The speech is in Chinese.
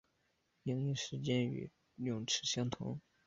营业时间与泳池相同。